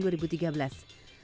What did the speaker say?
modal itu ia berikan ke bambu